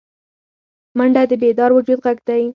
منډه د بیدار وجود غږ دی